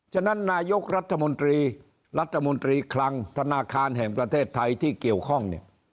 ฉะนั้นนายกรัฐมนตรีรัฐมนตรีคลังธนาคารแห่งประเทศไทยที่เกี่ยวข้องเนี่ย